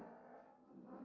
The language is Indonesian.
kabur lagi kejar kejar kejar